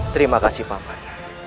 terima kasih paman